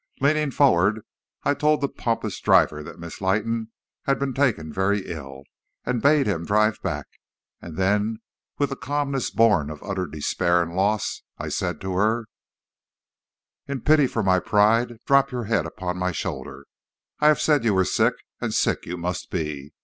Leaning forward, I told the pompous driver that Miss Leighton had been taken very ill, and bade him drive back; and then with the calmness born of utter despair and loss, I said to her: "'In pity for my pride drop your head upon my shoulder. I have said you were sick, and sick you must be.